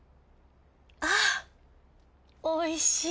あおいしい。